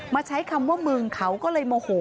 ใช้คำว่ามึงเขาก็เลยโมโห